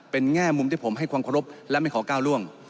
เป็นแง่มุมที่ผมให้ความเคารพและไม่ขอก้าวล่วง